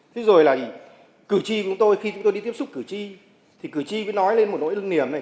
thế rồi là cử tri của tôi khi chúng tôi đi tiếp xúc cử tri thì cử tri mới nói lên một nỗi lưng niềm này